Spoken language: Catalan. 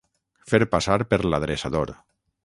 Fer passar per l'adreçador.